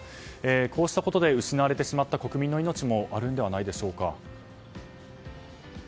こうしたことで失われてしまった国民の命もあるんではないでしょうか。